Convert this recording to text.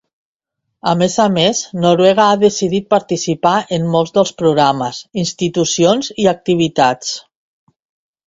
A més a més, Noruega ha decidit participar en molts dels programes, institucions i activitats.